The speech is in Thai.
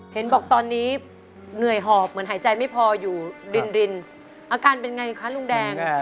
เห็นบอกตอนนี้เหนื่อยหอบเหมือนหายใจไม่พออยู่รินอาการเป็นไงคะลุงแดง